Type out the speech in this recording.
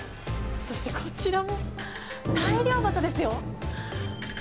そしてこちらも、大漁旗ですよ。